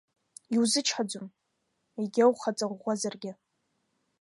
Иузычҳаӡом, егьа ухаҵаӷәӷәазаргьы…